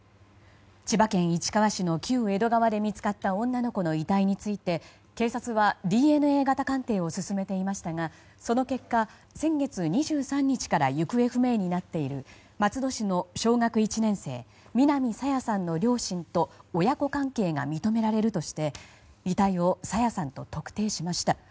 千葉県市川市の旧江戸川で見つかった女の子の遺体について警察はＤＮＡ型鑑定を進めていましたがその結果、先月２３日から行方不明になっている松戸市の小学１年生南朝芽さんの両親と親子関係が認められるとして遺体を朝芽さんと特定しました。